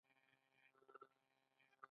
ایا پوهیږئ چې پاکوالی څومره مهم دی؟